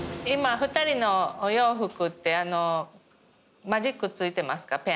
今２人のお洋服ってあのマジック付いてますか？